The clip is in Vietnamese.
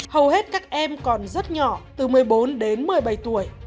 hầu hết các em còn rất nhỏ từ một mươi bốn đến một mươi bảy tuổi